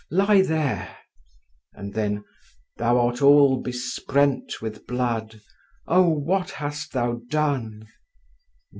Lie there," and then, "thou art all besprent with blood…. Oh, what hast thou done?